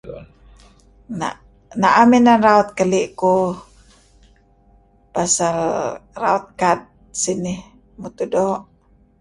[whisper] [na..] na'am inan raut keli' kuh paal, raut kad sinih mutuh do'.